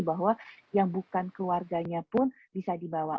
bahwa yang bukan keluarganya pun bisa dibawa